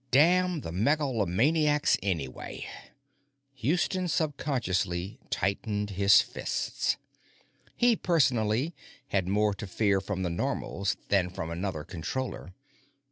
Damn the megalomaniacs, anyway! Houston subconsciously tightened his fists. He, personally, had more to fear from the Normals than from another Controller.